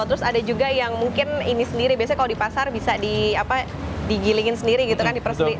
jadi yang mungkin ini sendiri biasanya kalau di pasar bisa di apa digilingin sendiri gitu kan di perusahaan